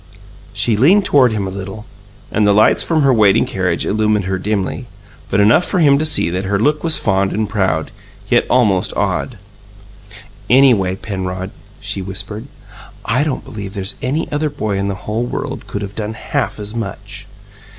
She leaned toward him a little, and the lights from her waiting carriage illumined her dimly, but enough for him to see that her look was fond and proud, yet almost awed. "Anyway, Penrod," she whispered, "I don't believe there's any other boy in the whole world could of done HALF as much!"